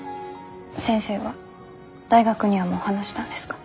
先生は大学にはもう話したんですか？